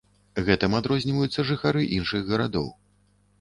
Гэтым адрозніваюцца жыхары іншых гарадоў.